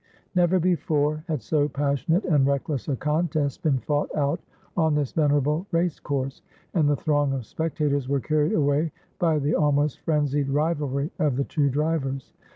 Never before had so passionate and reckless a contest been fought out on this venerable race course, and the throng of spectators were carried away by the almost frenzied rivalry of the two drivers.